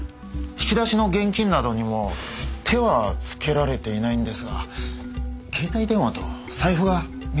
引き出しの現金などにも手はつけられていないんですが携帯電話と財布が見当たりません。